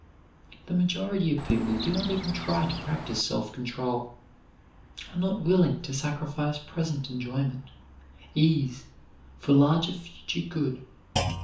The majority of people do not even try to practise self control; are not willing to sacrifice present enjoyment, ease, for larger future good.